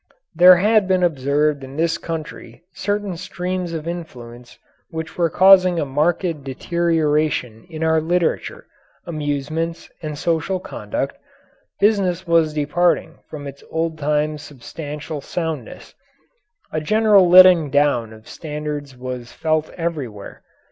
There had been observed in this country certain streams of influence which were causing a marked deterioration in our literature, amusements, and social conduct; business was departing from its old time substantial soundness; a general letting down of standards was felt everywhere.